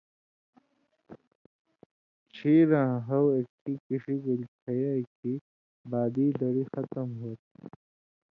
ڇھیراں ہاٶ اکٹھی کِݜی گېل کھیائ کھیں بادی دڑی ختم ہوتھی۔